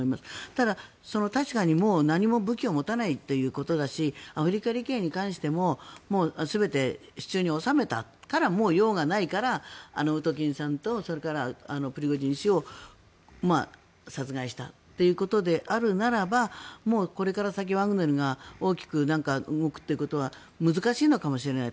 ただ、確かに、もう何も武器を持たないということだしアフリカ利権に関しても全て手中に収めたもう用がないからウトキンさんとそれからプリゴジン氏を殺害したということであるならばこれから先、ワグネルが大きく動くということは難しいのかもしれない。